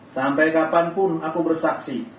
sampai kapanpun aku bersaksi